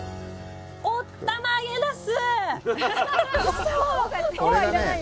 おったまげなす！